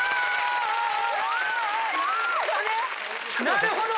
なるほど！